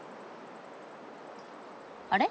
あれ？